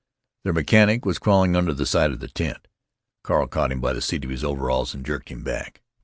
Their mechanic was crawling under the side of the tent. Carl caught him by the seat of his overalls and jerked him back.